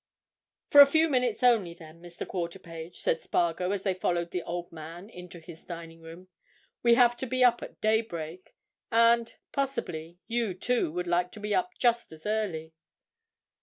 "For a few minutes only then, Mr. Quarterpage," said Spargo as they followed the old man into his dining room. "We have to be up at daybreak. And—possibly—you, too, would like to be up just as early."